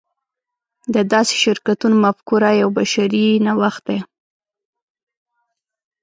د داسې شرکتونو مفکوره یو بشري نوښت دی.